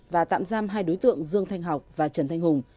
và tạm giam hai đối tượng dương thanh học và trần thanh hùng